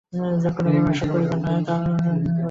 যাহা কোনোমতেই আশা করিবার নহে তাহাও যেন তিনি আশা করিয়া বসিলেন।